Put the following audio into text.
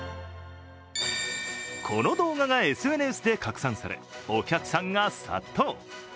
この動画がＳＮＳで拡散され、お客さんが殺到。